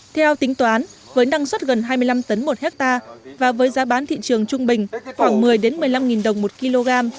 theo tính toán với năng suất gần hai mươi năm tấn một hectare và với giá bán thị trường trung bình khoảng một mươi một mươi năm đồng một kg